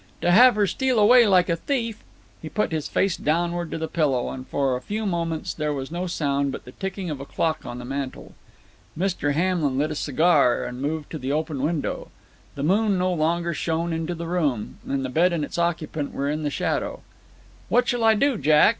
To have her steal away like a thief " He put his face downward to the pillow, and for a few moments there was no sound but the ticking of a clock on the mantel. Mr. Hamlin lit a cigar, and moved to the open window. The moon no longer shone into the room, and the bed and its occupant were in shadow. "What shall I do, Jack?"